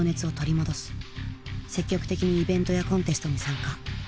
積極的にイベントやコンテストに参加。